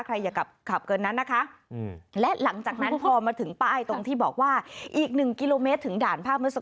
ใครอยากขับเกินนั้นนะคะ